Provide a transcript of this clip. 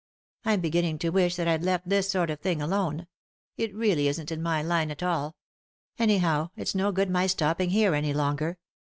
I'm beginning to wish that I'd left this sort of thing alone ; it really isn't in my line at all. Anyhow, it's no good my stopping here any longer.